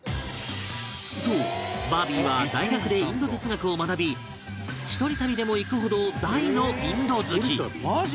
そうバービーは大学でインド哲学を学び１人旅でも行くほど大のインド好き